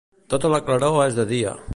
Tota la claror és de dia.